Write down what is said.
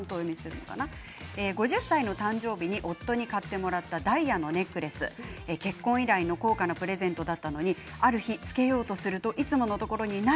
５０歳の誕生日に、夫に買ってもらったダイヤのネックレス結婚以来の高価なプレゼントだったのにある日つけようとするといつものところにない。